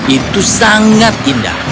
itu sangat indah